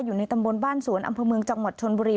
อยู่ในตำบลบ้านสวนอำเภอเมืองจังหวัดชนบุรี